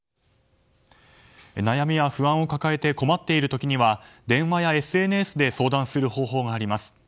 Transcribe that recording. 悩みや不安を抱えて困っている時には電話やＳＮＳで相談する方法があります。